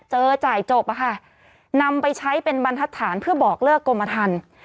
จ่ายจบอะค่ะนำไปใช้เป็นบรรทัศนเพื่อบอกเลิกกรมทัน